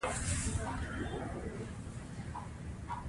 عدالت د ټولنیز ثبات ستنه ګڼل کېږي.